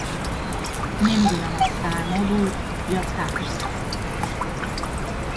نمیدونم از سرما بود یا ترس